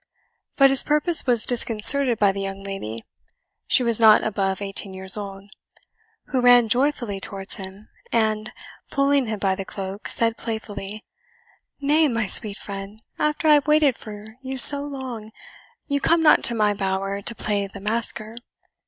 But his purpose was disconcerted by the young lady (she was not above eighteen years old), who ran joyfully towards him, and, pulling him by the cloak, said playfully, "Nay, my sweet friend, after I have waited for you so long, you come not to my bower to play the masquer.